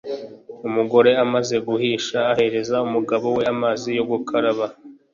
Umugore amaze guhisha, ahereza umugabo we amazi yo gukaraba